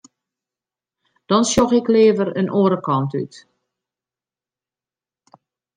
Dan sjoch ik leaver in oare kant út.